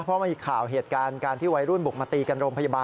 เพราะมีข่าวเหตุการณ์การที่วัยรุ่นบุกมาตีกันโรงพยาบาล